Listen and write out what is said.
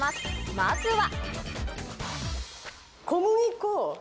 まずは。